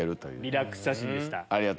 リラックス写真でした。